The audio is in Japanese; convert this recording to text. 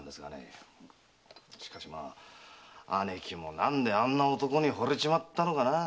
しかしまあ姉貴も何であんな男に惚れちまったのかなあ？